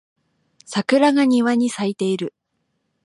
桜が庭に咲いている